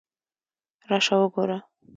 راشه وګوره!